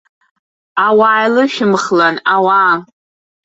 Ауаа еилышәымхлан, ауаа!